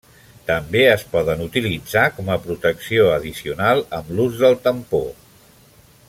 També es poden utilitzar com a protecció addicional amb l'ús del tampó.